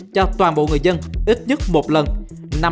cho toàn bộ người dân ít nhất một lần